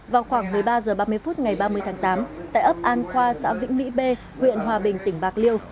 vào khoảng một mươi ba h ba mươi phút ngày ba mươi tháng tám tại ấp an khoa xã vĩnh mỹ b huyện hòa bình tỉnh bạc liêu